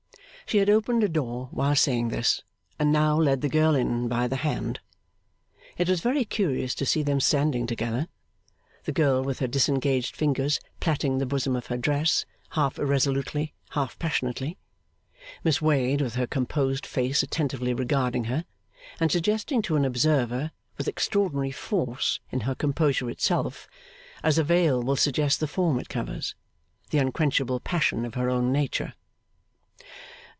She had opened a door while saying this, and now led the girl in by the hand. It was very curious to see them standing together: the girl with her disengaged fingers plaiting the bosom of her dress, half irresolutely, half passionately; Miss Wade with her composed face attentively regarding her, and suggesting to an observer, with extraordinary force, in her composure itself (as a veil will suggest the form it covers), the unquenchable passion of her own nature.